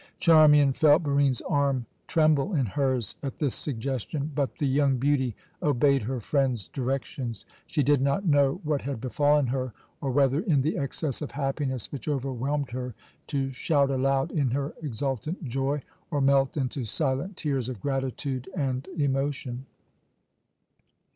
Charmian felt Barine's arm tremble in hers at this suggestion, but the young beauty obeyed her friend's directions. She did not know what had befallen her, or whether, in the excess of happiness which overwhelmed her, to shout aloud in her exultant joy, or melt into silent tears of gratitude and emotion.